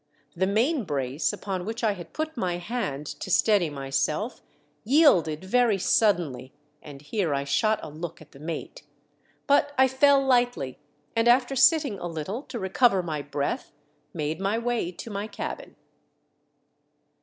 The main brace, upon which I had put my hand to steady myself, yielded very suddenly," and here I shot a look at the mate, "but I fell lighdy, and after sitting a little to recover my breath, made my way to my cabin."